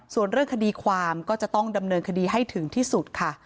ส่วนเรื่องคดีความก็จะต้องดำเนินคดีให้ถึงที่สุดค่ะ